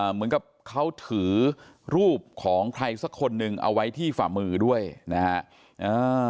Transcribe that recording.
เหมือนกับเขาถือรูปของใครสักคนหนึ่งเอาไว้ที่ฝ่ามือด้วยนะฮะ